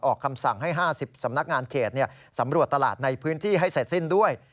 คำสั่งให้๕๐สำนักงานเขตสำรวจตลาดในพื้นที่ให้เสร็จสิ้นด้วย